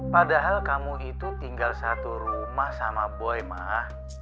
padahal kamu itu tinggal satu rumah sama boy mah